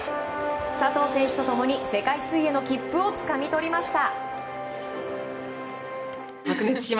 佐藤選手と共に世界水泳の切符をつかみ取りました。